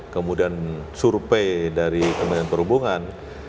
kemudian survei dari kementerian perhubungan